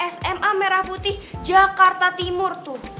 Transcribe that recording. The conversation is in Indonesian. sma merah putih jakarta timur tuh